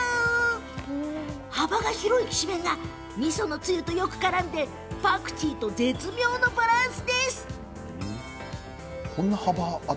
幅が広いきしめんがみそつゆとよくからんでパクチーと絶妙なバランス。